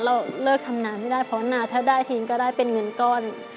เราเลิกทำนาไม่ได้เพราะถ้าได้ทีนี้ก็ได้เป็นเงินก้อน